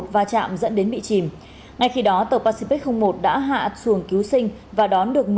một va chạm dẫn đến bị chìm ngay khi đó tàu pacific một đã hạ xuồng cứu sinh và đón được một mươi